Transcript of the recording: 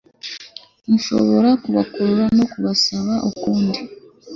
nshobora kubakurura no kubasaba ukundi